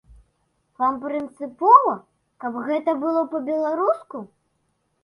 Вам прынцыпова, каб гэта было па-беларуску?